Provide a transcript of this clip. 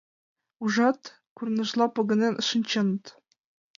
Ужат, курныжла погынен шинчыныт.